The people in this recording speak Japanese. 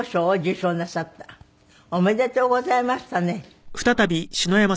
おめでとうございましたね。